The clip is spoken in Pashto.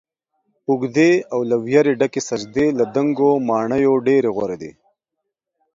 اوږدې او له ويرې ډکې سجدې له دنګو ماڼیو ډيرې غوره دي